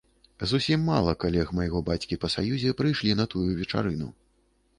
Зусім мала калег майго бацькі па саюзе прыйшлі на тую вечарыну.